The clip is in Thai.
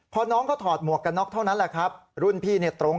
พอน้องเขาถอดหมวกกันน็อกเท่านั้นแหละครับรุ่นพี่เนี่ยตรง